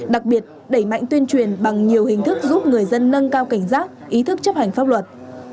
đặc biệt đẩy mạnh tuyên truyền bằng nhiều hình thức giúp người dân nâng cao cảnh giác ý thức chấp hành pháp luật